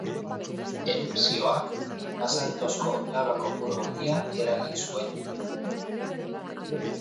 Erupzioak, basaltozko laba kopuru handia eragin zuen.